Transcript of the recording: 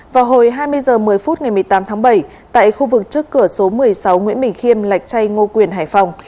vào hồi hai mươi h một mươi phút ngày một mươi tám tháng bảy tại khu vực trước cửa số một mươi sáu nguyễn bình khiêm lạch chay ngô quyền hải phòng